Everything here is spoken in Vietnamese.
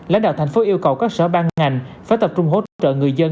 lãnh đạo thành phố yêu cầu các sở ban ngành phải tập trung hỗ trợ người dân